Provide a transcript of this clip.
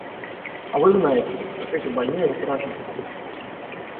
А вы знаете, как эти больные раздражительны.